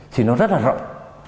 thì nó rất là rộng